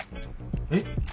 えっ？